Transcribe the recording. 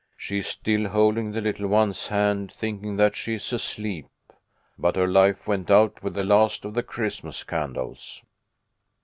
"She is still holding the little one's hand, thinking that she is asleep. But her life went out with the last of the Christmas candles."